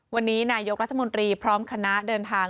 วันนี้นายกรัฐมนตรีพร้อมคณะเดินทาง